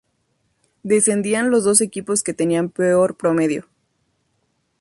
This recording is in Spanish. Descendían los dos equipos que tenían peor promedio.